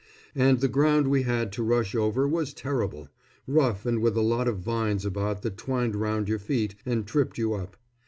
And the ground we had to rush over was terrible rough and with a lot of vines about that twined round your feet and tripped you up.